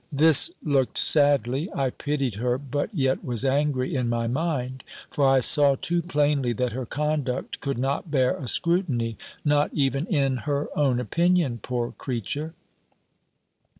This looked sadly. I pitied her, but yet was angry in my mind; for I saw, too plainly, that her conduct could not bear a scrutiny, not even in _her own _opinion, poor creature.